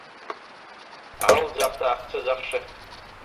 Ал жакта акча жакшы.